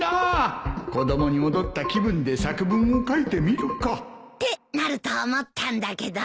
子供に戻った気分で作文を書いてみるかってなると思ったんだけど。